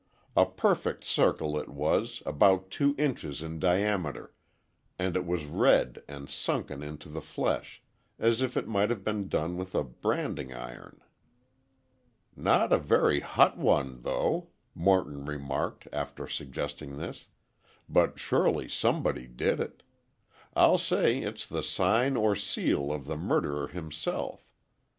A perfect circle it was, about two inches in diameter, and it was red and sunken into the flesh, as if it might have been done with a branding iron. "Not a very hot one, though," Morton remarked, after suggesting this, "but surely somebody did it. I'll say it's the sign or seal of the murderer himself.